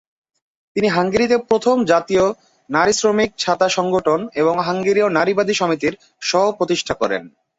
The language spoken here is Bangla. তিনি হাঙ্গেরিতে প্রথম জাতীয় নারী শ্রমিক ছাতা সংগঠন এবং হাঙ্গেরীয় নারীবাদী সমিতির সহ-প্রতিষ্ঠা করেন।